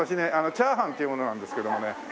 チャーハンっていう者なんですけどもね。